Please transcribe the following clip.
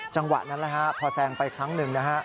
จังหวะนั้นแหละฮะพอแซงไปครั้งหนึ่งนะฮะ